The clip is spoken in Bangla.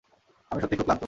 আমি সত্যিই খুব ক্লান্ত।